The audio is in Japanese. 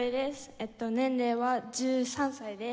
えっと年齢は１３歳です。